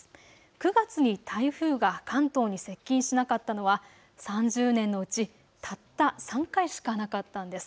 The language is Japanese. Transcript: ９月に台風が関東に接近しなかったのは３０年のうちたった３回しかなかったんです。